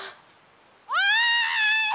おい！